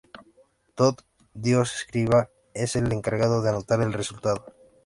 Tot, dios escriba, es el encargado de anotar el resultado.